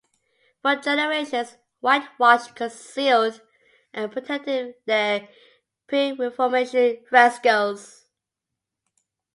For generations, whitewash concealed and protected their pre-Reformation frescoes.